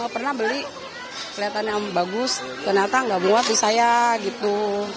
pernah beli kelihatannya bagus ternyata enggak buat di saya gitu